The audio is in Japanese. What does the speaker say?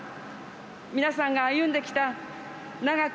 皆さんが歩んできた長く